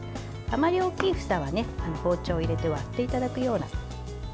あまり大きい房は包丁を入れて割っていただくように。